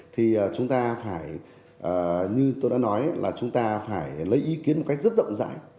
thì chúng ta phải như tôi đã nói là chúng ta phải lấy ý kiến một cách rất rộng rãi